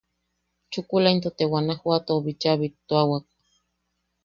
Chukula into te Guanajuatou bícha bittuawak.